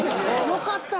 よかった。